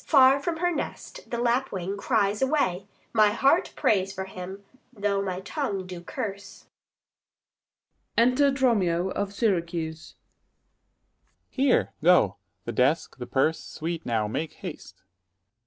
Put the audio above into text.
Far from her nest the lapwing cries away: My heart prays for him, though my tongue do curse. Enter DROMIO of Syracuse. Dro. S. Here! go; the desk, the purse! sweet, now, make haste. _Luc.